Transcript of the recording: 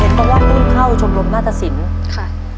เห็นว่าคุณเข้าชมรมน่าตระศิลป์ค่ะ